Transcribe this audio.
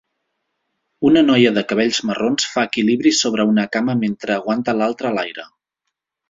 Una noia de cabells marrons fa equilibris sobre una cama mentre aguanta l'altra a l'aire.